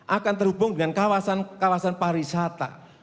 akan terhubung dengan kawasan kawasan pariwisata